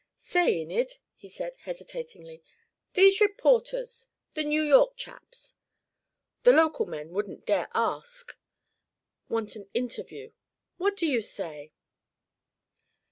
"Say, Enid," he said hesitatingly. "These reporters the New York chaps the local men wouldn't dare ask want an interview. What do you say?"